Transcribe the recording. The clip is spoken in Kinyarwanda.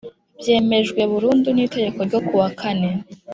Byemejwe burundu n Itegeko ryo ku wa kane